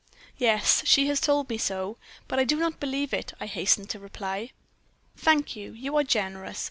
"'Yes, she has told me so, but I do not believe it,' I hastened to reply. "'Thank you; you are generous.